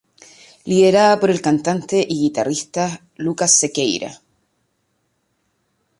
Liderada por el cantante y guitarrista Lucas Sequeira.